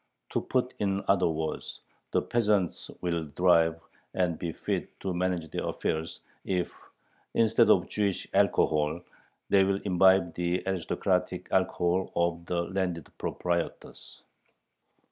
To put it in other words, the peasants will thrive and be "fit to manage their affairs," if, instead of Jewish alcohol, they will imbibe the aristocratic alcohol of the landed proprietors.